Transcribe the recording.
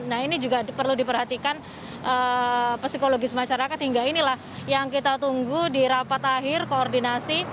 nah ini juga perlu diperhatikan psikologis masyarakat hingga inilah yang kita tunggu di rapat akhir koordinasi